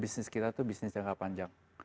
bisnis kita itu bisnis jangka panjang